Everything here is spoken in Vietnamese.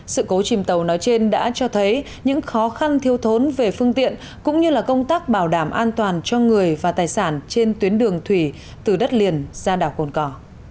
sự cố chìm tàu nói trên đã cho thấy những khó khăn thiêu thốn về phương tiện cũng như là công tác bảo đảm an toàn cho người và tài sản trên tuyến đường thủy từ đất liền ra đảo cồn cỏ